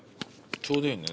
ちょうどいいね。